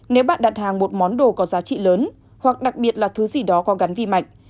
nếu bạn đặt hàng một món đồ có giá trị lớn hoặc đặc biệt là thứ gì đó có gắn vi mạch